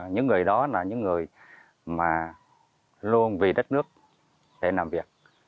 những người đó là những người mà luôn vì đất nước để làm việc